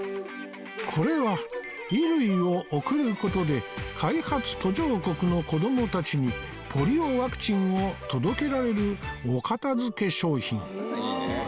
これは衣類を送る事で開発途上国の子どもたちにポリオワクチンを届けられるお片づけ商品